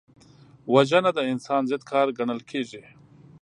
وژنه د انسان ضد کار ګڼل کېږي